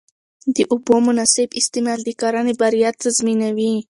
د اوبو مناسب استعمال د کرنې بریا تضمینوي.